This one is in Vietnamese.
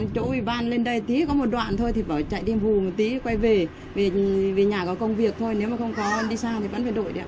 chỗ ủy ban lên đây tí có một đoạn thôi thì bảo chạy đi hù một tí quay về nhà có công việc thôi nếu mà không có đi xa thì vẫn phải đội được